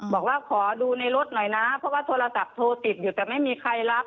บอกว่าขอดูในรถหน่อยนะเพราะว่าโทรศัพท์โทรติดอยู่แต่ไม่มีใครรับ